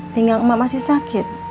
hingga emah masih sakit